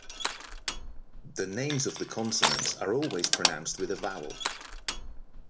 The names of the consonants are always pronounced with a vowel.